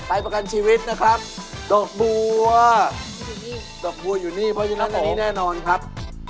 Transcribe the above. ประกันชีวิตนะครับดอกบัวดอกบัวอยู่นี่เพราะฉะนั้นอย่างนี้แน่นอนครับ